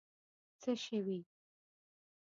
څه شوي.